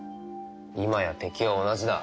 今や敵は同じだ。